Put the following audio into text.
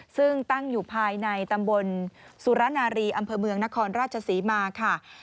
ซึ่งตั้งอยู่ภายในตำบลสุรนารีอำเภอเมืองนครราชศรีมาค่ะ